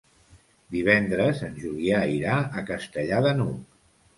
Divendres en Julià irà a Castellar de n'Hug.